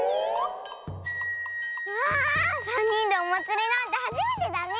わあさんにんでおまつりなんてはじめてだね！